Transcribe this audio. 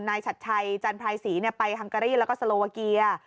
ฉัดชัยจันทรายศรีไปฮังการีแล้วก็สโลวาเกีย